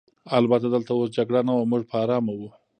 البته دلته اوس جګړه نه وه، موږ په آرامه وو.